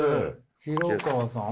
廣川さん。